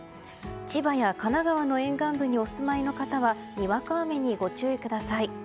千葉や神奈川の沿岸部にお住まいの方はにわか雨にご注意ください。